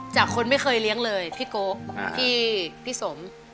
คนไม่เคยเลี้ยงเลยพี่โกะพี่สม